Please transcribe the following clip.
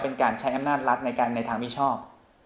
เป็นการใช้อำนาจรัฐในทางมิชอบ